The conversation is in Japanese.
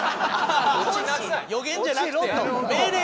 予言じゃなくて命令？